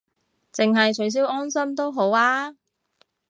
淨係取消安心都好吖